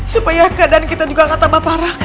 supaya keadaan kita juga gak tambah parah